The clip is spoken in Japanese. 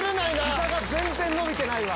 膝が全然伸びてないわ。